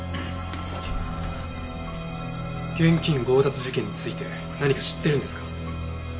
現金強奪事件について何か知ってるんですか？